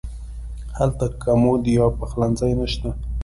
هلته کمود یا پخلنځی نه شته.